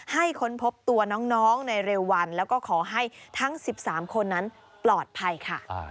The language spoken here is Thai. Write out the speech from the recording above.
ค้นพบตัวน้องในเร็ววันแล้วก็ขอให้ทั้ง๑๓คนนั้นปลอดภัยค่ะ